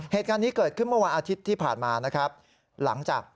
เหตุการณ์นี้เกิดขึ้นเมื่ออาทิตย์ที่ผ่านมานะครับ